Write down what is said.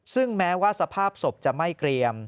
ซึ่งแม้ว่าสภาพศพจะไม่เกรียม